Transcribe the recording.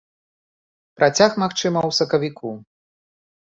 Працяг, магчыма, у сакавіку.